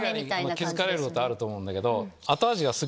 気付かれることあると思うんだけど。